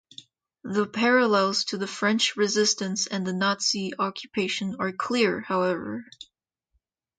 The parallels to the French Resistance and the Nazi occupation are clear, however.